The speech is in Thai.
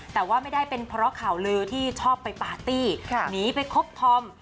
แต่ว่าไม่ได้เป็นเพราะข่าวลือที่ชอบไปปาร์ตี้หนีไปคบทอม